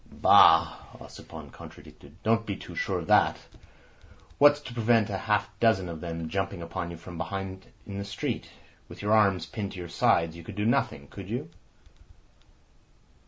"Bah!" Ossipon contradicted. "Don't be too sure of that. What's to prevent half a dozen of them jumping upon you from behind in the street? With your arms pinned to your sides you could do nothing—could you?"